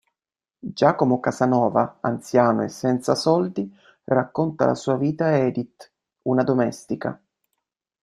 Giacomo Casanova, anziano e senza soldi, racconta la sua vita ad Edith, una domestica.